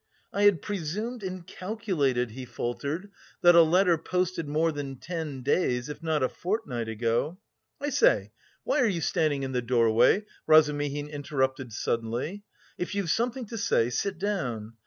"I had presumed and calculated," he faltered, "that a letter posted more than ten days, if not a fortnight ago..." "I say, why are you standing in the doorway?" Razumihin interrupted suddenly. "If you've something to say, sit down.